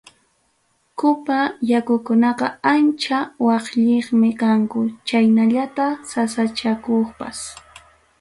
Qupa yakukunaqa ancha waqlliqmi kanku chaynallataq sasachakuqpas.